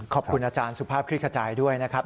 ขอบคุณอาจารย์สุภาพคลิกขจายด้วยนะครับ